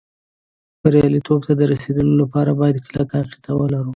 بریالېتوب ته د رسېدو لپاره باید کلکه عقیده ولرو